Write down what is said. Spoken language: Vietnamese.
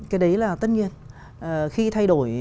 cái đấy là tất nhiên khi thay đổi